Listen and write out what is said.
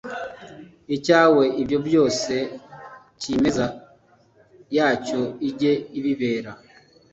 cyawe ibyo byose cyimeza yacyo ijye ibibera